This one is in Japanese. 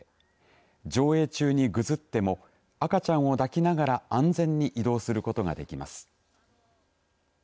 上映中にぐずっても赤ちゃんを抱きながら安全に移動することができます。